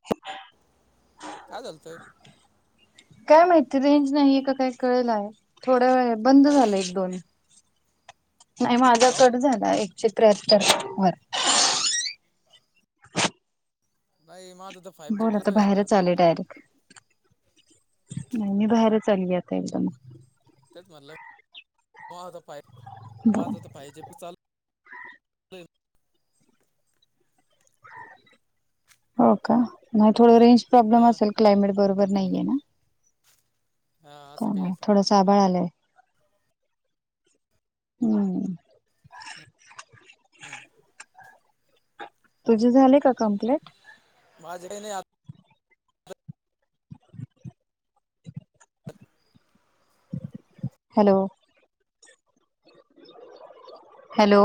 ह. [inaudible] काय माहिती रेंज नाही ए का काही कळेलं आहे थोड्या वेळ. बंद झालं नाही एक दोन नाही माझा हो कट झाला एक. [unintelligible] [unintelligible] [inaudible] बोला तर आहे आता बाहेरच चालेल. डायरेक्ट नाही मी बाहेर चालली आता एकदम. तेच म्हटलं. बोल [inaudible] हो का नाही थोडं रेंज हा प्रॉब्लेम असेल क्लायमेट बरोबर नाहीये ना. हा का असं काही नाही असं थोडं सा आाळ आलंय. हम्म. हम्म. तुझे झाले का कम्प्लीट. माझ्या काही नाही. हात. हॅलो. हॅलो.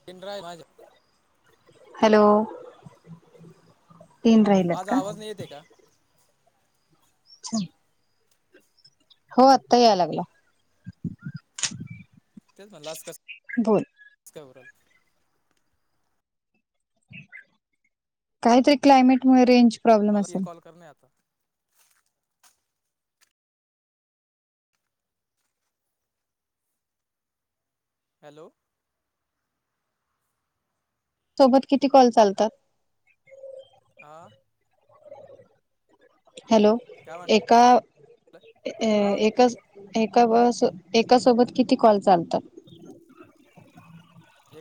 [inaudible] हॅलो तीन राहिलत माझा का? आवाज नाही येते का. [inaudible] हो आत्ता याय लागला तेच म्हणाल अस कस बोल काय होऊन राहील. काहीतरी क्लायमेटमुळे रेंज. प्रॉब्लेम मला ये असेल कॉल करणे आता हॅलो सोबत किती कॉल चालतात आ हॅलो काय म्हटलं एका अ हा एकाच एका बस एका सोबत किती कॉल चालतात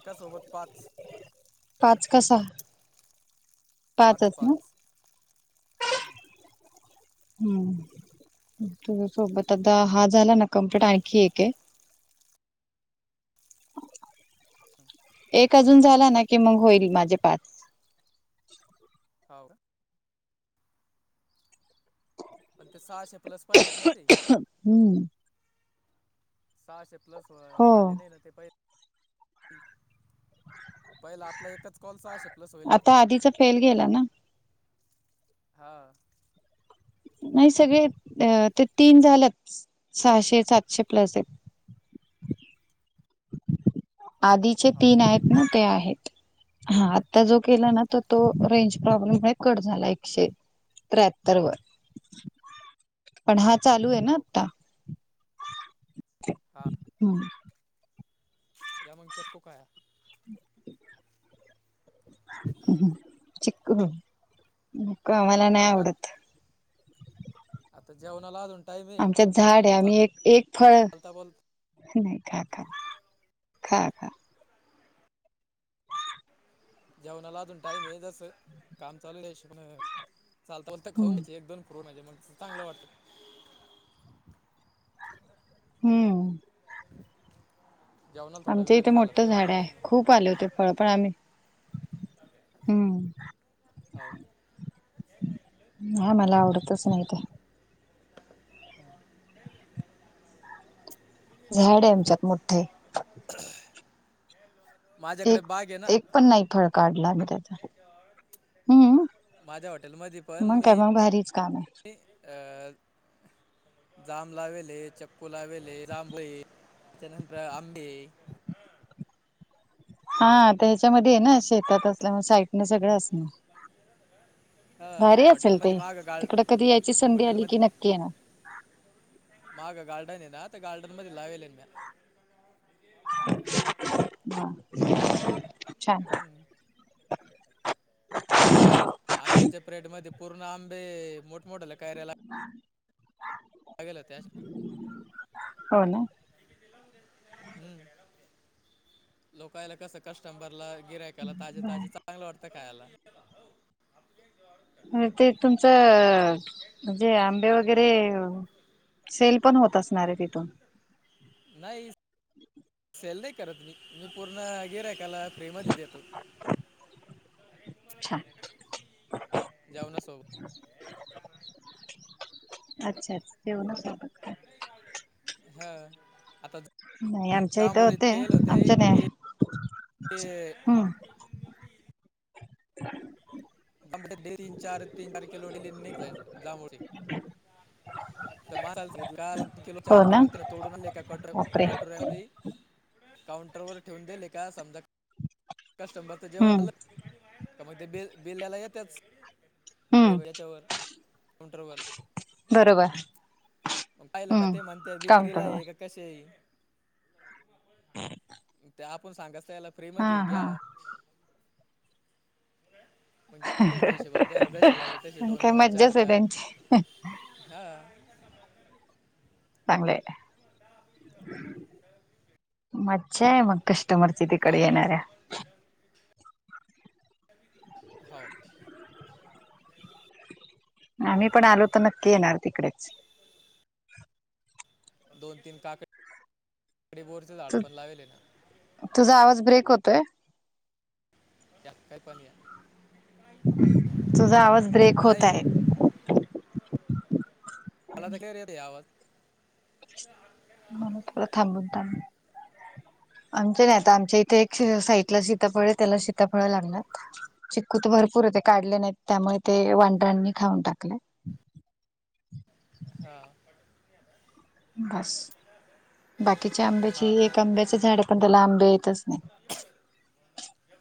एकासोबत पाच पाच का सहा पाच पाचच पाच ना हम्म तुझ सोबत आता हा झाला ना कम्प्लीट आणखी एक आहे [inaudible] एक अजून झाला ना की मग होईल माझे पाच हो का पण ते सहाशे प्लस पाहिजेत ना ते हम्म सहाशे प्लस हो झाले नाही ना ते पहि ह पहिला आपला एका कॉलचा सहाशे प्लस होईल वाटत. आता आधीचा फेल गेला ना हा नाय सगळे ते तीन झाल्यात सहाशे सातशे प्लस आयत. आधीचे हो तीन का आहेत ना ते आहेत. हा आत्ता जो केला ना तर तो रेंज प्रॉब्लेम कट झाला एकशे एक त्र्याहत्तर वर पण हा चालू आय ना हो का आता? हा. हम्म. या मग चक्को काया. [inaudible] चिक्कू? नको मला नाय मग आत- आवडत. आता जेवणाला अजून टाईम आहे आमच्यात झाड आय आता आम्ही एक एक फळ चालता बोल नाय खा खा खा खा. जेवणाला अजून टाईम ए जसं काम चालू आय त्या हिशोबन चालता बोलता खाऊ हम्म घ्यायचे एक दोन फ्रुट म्हणजे म्हणजे मग चांगलं वाटतं. हम्म. [inaudible] जेवणा थोडा आमच्या वेळ इथे बी झाला तर मोठं काय झाड वाटत आहे नाय म. खूप आले होते फळ पण आम्ही [inaudible] हाव. आमाला आवडतच नाय ते. [inaudible] झाड आय आमच्यात मोठं. [inaudible] माझ्याकड एक बाग ए ना. एक पण नाही फळ काढला आम्ही त्याचा हम्म माझ्या हॉटेल मध्ये पण मग मी काय मग भारीच काम आहे अ जाम लावेले चक्कू लावेले त्यानंतर आंबे हा ते ह्याच्यामध्ये ए ना शेतात असल्यामुळ साईटन सगळं असणार. हा भारी असेल ते? हॉटेलमध्ये माग गार्ड तिकड कधी यायची संधी आली की नक्की येणार. मागं गार्डन ए ना तर गार्डन मध्ये लावेल ना म्या. [inaudible] हा अरे साडी का छान [unintelligible] टाकली बाहेर? [unintelligible] आता आ आंब्याच्या प्रेड मध्ये पूर्ण आंबे मोठ मोठाल्या कायऱ्याला [inaudible] लागलं होत्या. हो ना हम्म, लोकायला कस कस्टंबरला गिराय त्याला ताजे बर ताजे चांगलं वाटतं खायाला. हम्म, ते तुमचं म्हणजे आंबे वगैरे हो सेल पण होत असणार आय तिथून? नाय सेल नाय करत मी, मी पूर्ण गीरायकाला फ्री मध्ये देतो. छान [unintelligible] जाऊ ना सो अच्छा अच्छा जेवणा सोबत काय हा आता नाय आमच्या इथे जांभूळ होते आमच्या नाय. ते [unintelligible] तीन चार तीन चार किलोडी जायच [unintelligible] तर म किलो हो चार ना किलो होते तोडून का कटो बापरे कटोर काउंटर वर ठेऊून दिले का समजा. कस्टमरच जेवण हम्म झालं. तर मग ते बि बिल द्यायला येतेच. हम्म टेबल याच्यावर काउंटर वर. बरोबर. पाहिलं की हम्म ते म्हणतात विक्रीला काउंटरवर हाय कशी आहे. ते आपण सांगायचं त्याला फ्री हा मध्ये हा [inaudible] मग घेता त्याच्या हिशोबने त्याला जसे लागले तसे पण दोन- काय दोन, मज्जाच आहे चार-चार त्यांची हा. [unintelligible] चांगलेय. हम्. मचछ आहे मग कस्टमरची तिकडे आंब येणाऱ्या. हो. [unintelligible] आम्ही पण आलो तर नक्की येणार तिकडेच. दोन तीन काकडीकडी बोरचे झाड तु पण लावेले ना. तुझा आवाज ब्रेक होतोय. त्यात काय पण या. तुझा आवाज ब्रेक होत नाही आहे. मला तर क्लियर येतेय आवाज. मला जरा थांबून-थांबून. आमच्या नाही आता आमच्या इथे एक साईटला सीताफळ आहे त्याला सीताफळ लागणार. चिकू तर भरपूर होते काढले नाहीत. त्यामुळे ते वांढर्यांनी खाऊन टाकले. हा. बस. बाकीच्या आंब्याची हा एक आंब्याच झाड पण त्याला आंबे येतच नाही.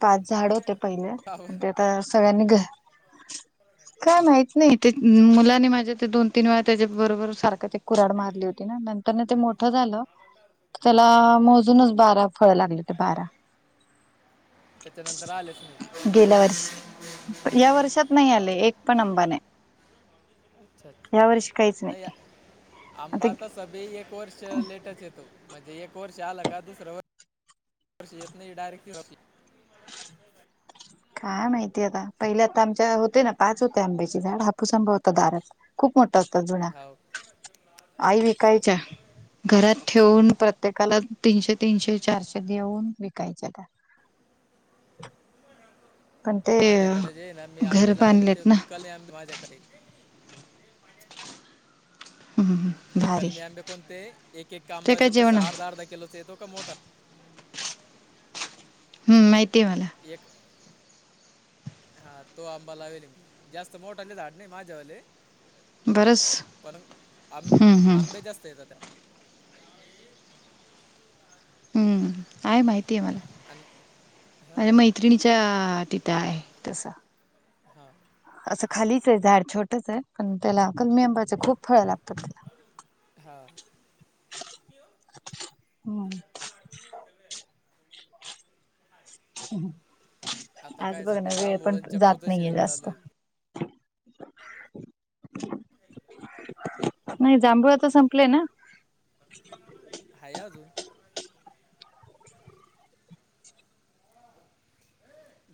पाच झाड होते पहिले. ते आता सगळ्यांनी घ [unintelligible] काय माहत नाही ते मुलाने माझ्या ते दोन- तीन वेळा त्याच्या बरोबर सारखा ते एक कुराड मारली होती ना. त्यां ते मोठं झालं त्याला हा मोजूनच बारा फळ लागले ते बारा [inaudible] त्याच्या नंतर आलेच गेल्या वर्षी नाहीत. या वर्षात नाही आले. एक पण अंबा नाही. अच्छा अच्छा या वर्षी काहीच नाही. आता आंबा तसा बी एक वर्ष लेटच येतो म्हणजे एक वर्ष आलं का दुसरं वर्ष येत नाही. डायरेक्ट काय माहितीय आता. पहिल्या आता आमच्या होते ना पाच होते आंब्याचे झाड. हापूस आंबा होता दारात खूप मोठा होता जुना. हो आई हो विकायच्या. घरात ठेवून प्रत्येकाला तीनशे-तीनशे, चारशे देऊन विकायच्या. पण ते माझ्याकडे जाे ना मी आंबे घर लावले बांधलेत ना कल आंब माझ्याकडे. क हम्म ते भारी कलमी आंबे कोणते? एक एक ते आंबा काय जस जेवण अर्धा-अर्धा कीलो सेतो का मोठा. [unintelligible] हम्म, माहिती आहे मला. एक आहे. हा, तो आंबा लावेल. जास्त मोठाले झाड नाही माझ्यावाले. बरंच पण, आं हम्म हम्म आंबे जास्त येतात त्याला. [unintelligible] हं, आहे माहिती आहे मला. आणि माझ्या हां मैत्रिणीच्या तिथं आहे. तसं. हा. असं खालीच आहे. झाड छोटच आहे. पण त्याला कलमी आंबाच खूप फळ लागतात. त्याला. हा. हम्म [unintelligible] [unintelligible] आता आज काय बघ ना, सध्या वेळ जांभूळ पण आणि जात चक्कोचं नाहीये सीझन चालू जास्त. आहे नाही, जांभूळ आता संपलंय ना. हाय अजून.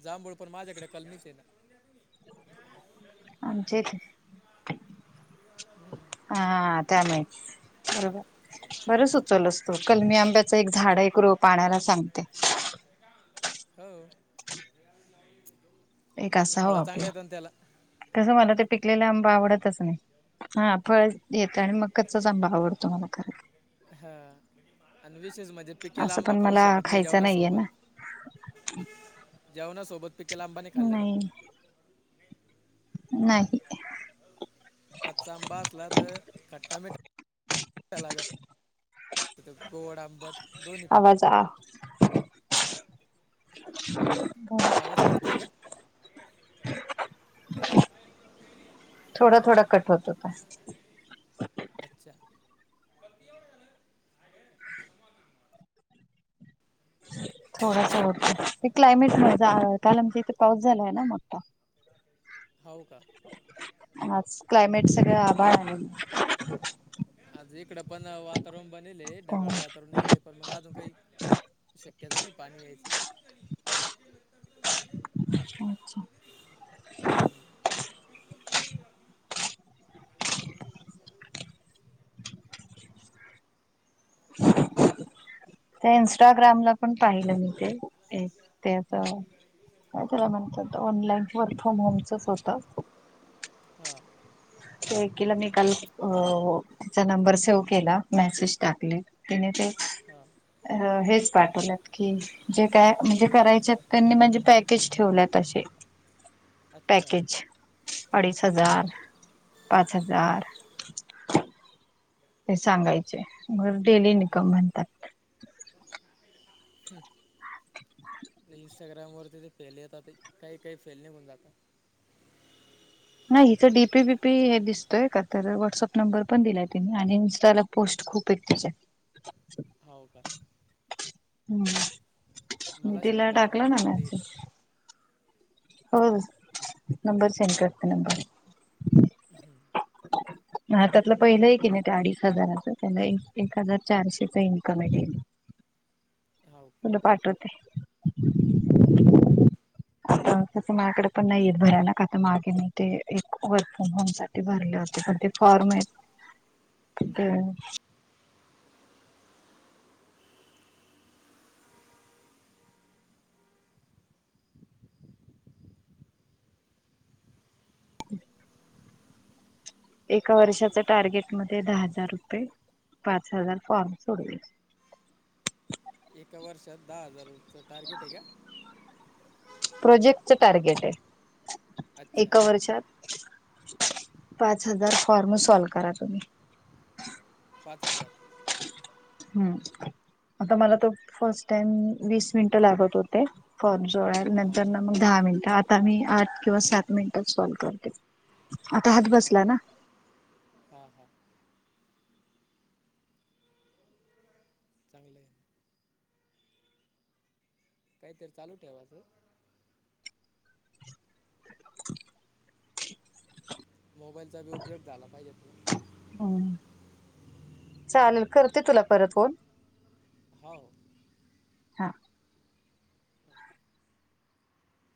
जांभळ पण, माझ्याकडे कलमीच आहेत. [inaudible] आमचे इथे, हा त्यामुळे. बरोबर, बरं सुचवलंस. कलमी आंब्याच एक झाड आहे. एक रोप आणायला सांगते. हो, एक असावं फळ चांगले आपलं येतात त्याला. कसं, मला ते पिकलेला आंबा आवडतच नाही. हा फळ येत आणि मग कच्चाच आंबा आवडतो मला खरं. हा, आणि विशेष म्हणजे पिकेला असं आंबा पण खाऊ मला शकत नाही. खायचं नाहीये जेवणासोबत. ना जेवणा सोबत पिकेला आंबाने खाल्ला जात. नाही नाही. कच्चा आंबा असला तर खट्टा मिट्टा लागत. गोड आंबट दोन्ही पण. आवाज आ [inaudible] आवाज कटतोय का? थोडा थोडा कट होत होता. अच्छा. थोडा थोडा ते क्लायमेटमुळे काल आमच्या इथे पाऊस झालाय ना मोठा. होऊ का. आज क्लायमेट सगळं आभाळ आलंय. आज इकडं पण, वातावरण बनेलय ढगाळ त्यामुळे वातावरण येले. पण मग अजून काही शक्यता नाही. पाणी यायची. पण त्याच्या नंतरचा विषेय. अच्छा. [inaudible] [unintelligible] ते इन्स्टाग्रामला पण पाहिलं. मी ते. ते हम्म, त्याचं, काय त्याला म्हणतात, ऑनलाईन वर्क फ्रॉम होमचं होत. हा. एकीला मी काल अ तीचा नंबर सेव्ह केला मेसेज टाकले तिने ते हा. अ हेच पाठवल्यात की जे काय म्हणजे करायच्या त्यांनी म्हणजे पॅकेज ठेवल्यात असे अच्छा पॅकेज अडीच हजार, पाच हा हजार ते सांगायचे मग डेली इन्कम हम्म. म्हणतात. इंस्टाग्राम वरती ते फेले येतातात काही काही फेले होऊन जातात. नाही हिचं डीपी बीपी हे दिसतोय का तर व्हॉट्सअप नंबर पण दिलाय तिने आणि इनस्टाला पोस्ट खूप आहेत तिचे. हो का. मी मला शेअर तिला करा ना मग टाकला कोणते इथे मेसेज हो नंबर सेंड करते नंबर. हम्म. हा त्यातलं पहिलं हाय कणी ते अडीच हजाराच त्याला एक एक हजार चारशेच इन्कम आहे डेली. हाव. तुला पाठवते. तसं माझ्याकडे पण नाहीयेत [unintelligible] आता मार्केटिंग ते एक वर्क फ्रॉम होम सा ते भरले होते पण ते फॉर्म आहेत. तिथ [unintelligible] एका वर्षाच्या टार्गेट मध्ये दहा हजार रुपये पाच हजार फॉर्म सोडवयाचे. एका वर्षात दहा हजारचं टार्गेट आहे का? प्रोजेक्टच टार्गेट आहे, अच्छा एका वर्षात पाच हजार फॉर्म सॉल्व करा तुम्ही. पाच हजार? हम्. आता मला त फर्स्ट टाइम वीस मिनट लागत होते फॉम सोडायला हो नंतरन मग दहा मिनिटं आता मी आठ किंवा सात मिनिटात सोल्व करते आता हात बसला ना. हा हा. चांगलं हाय. काहीतर चालू ठेवाचं हॅलो. मोबाईलचा बी उपयोग झाला पाहिजे. तुला हम्म. चालेल करते तुला परत फोन. हो. हा.